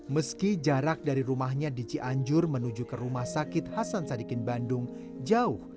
meski jarak dari rumahnya di cianjur menuju ke rumah sakit hasan sadikin bandung jauh